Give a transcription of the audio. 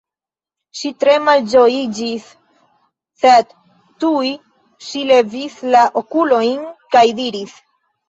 Ŝi tre malĝojiĝis, sed tuj ŝi levis la okulojn kaj diris: